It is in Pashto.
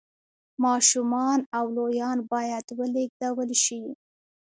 ماشومان او لویان باید ولېږدول شي